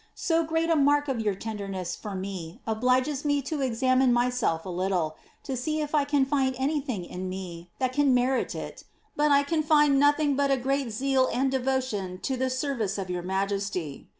So great a mark of your tender ness for me obliges me to examine myself a little, to see if I can find anjrthing in me that can merit it, but 1 can find nothing but a great zeal and devotion to the service of your majesty.